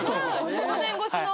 １５年越しの。